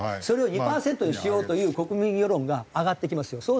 それを２パーセントにしようという国民世論が上がってきますよ。